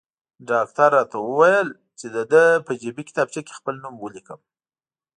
ډاکټر راته وویل چې د ده په جیبي کتابچه کې خپل نوم ولیکم.